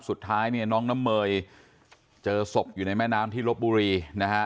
สุดท้ายเนี่ยน้องน้ำเมยเจอศพอยู่ในแม่น้ำที่ลบบุรีนะฮะ